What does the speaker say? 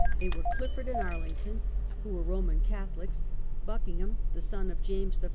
They were Clifford and Arlington, who were Roman Catholics; Buckingham, the son of James I.'